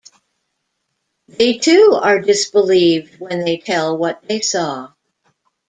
They, too, are disbelieved when they tell what they saw.